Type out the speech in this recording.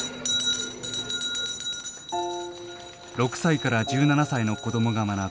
６歳から１７歳の子どもが学ぶ